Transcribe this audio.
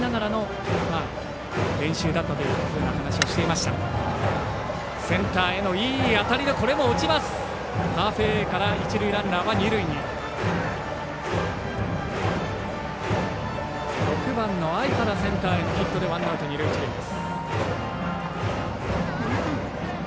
６番の相原センターへのヒットでワンアウト、二塁一塁です。